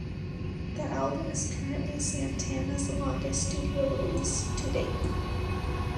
The album is currently Santana's longest studio release to date.